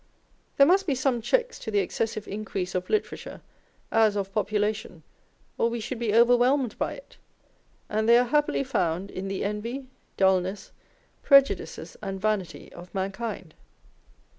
There must be some checks to the excessive increase of literature as of popula tion, or we should be overwhelmed by it ; and they are happily found in the envy, dulness, prejudices, and vanity of mankind.